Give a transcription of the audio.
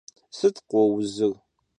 Sıt khouzır?